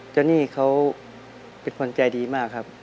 เจ้านี่เขาเป็นคนใจดีมากครับ